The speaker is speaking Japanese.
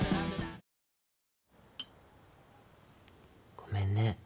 ごめんね。